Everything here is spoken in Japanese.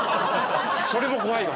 それも怖いな。